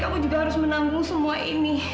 kamu masih bisa menanggung semua ini